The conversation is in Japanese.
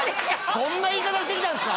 そんな言い方してたんですか？